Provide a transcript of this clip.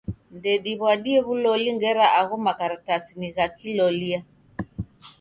Ndediw'adie w'uloli ngera agho makaratasi ni gha kilolia.